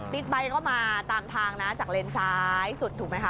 ไบท์ก็มาตามทางนะจากเลนซ้ายสุดถูกไหมคะ